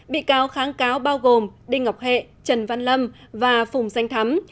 bị cáo kháng cáo bao gồm đinh ngọc hệ trần văn lâm và phùng danh thắm